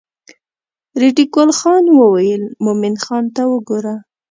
ریډي ګل خان وویل مومن خان ته وګوره.